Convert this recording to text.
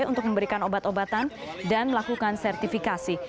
untuk memberikan obat obatan dan melakukan sertifikasi